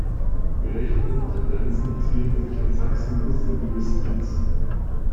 Die rechten Tendenzen ziehen sich in Sachsen bis in die Justiz.